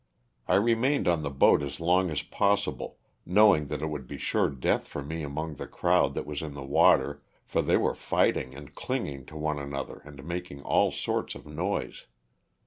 I remained on the boat as long as possible, knowing that it would be sure death for me among the crowd that was in the water, for they were fighting and clinging to one another and making all sorts of noise.